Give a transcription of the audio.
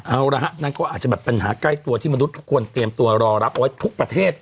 เอาละฮะนั่นก็อาจจะแบบปัญหาใกล้ตัวที่มนุษย์ทุกคนเตรียมตัวรอรับเอาไว้ทุกประเทศ